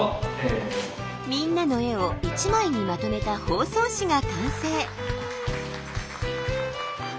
みんなの絵を一枚にまとめた包装紙が完成。